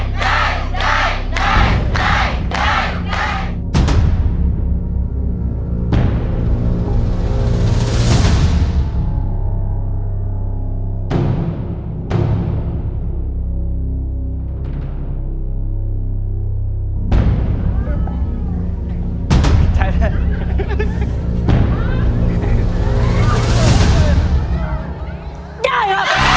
ได้ครับ